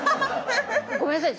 ごめんなさい。